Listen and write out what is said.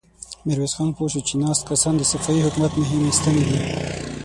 ميرويس خان پوه شو چې ناست کسان د صفوي حکومت مهمې ستنې دي.